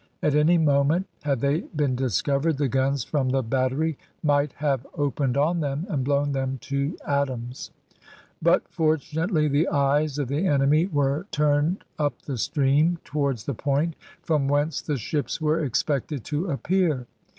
At any moment, had they been discovered, the guns from the battery might have opened on them and blown them to atoms; but, fortunately, the eyes of the enemy were turned up the stream towards the point from whence the ships were expected to appear.